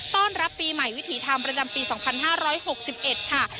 ต้อนรับปีใหม่วิถีธรรมประจำปี๒๕๖๑ค่ะ